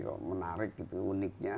kok menarik gitu uniknya